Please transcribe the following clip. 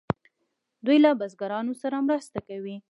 دوی له بزګرانو سره مرسته کوي.